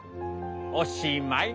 おしまい」。